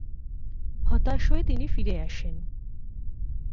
হতাশ হয়ে তিনি ফিরে আসেন।